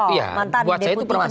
iya buat saya itu permasalah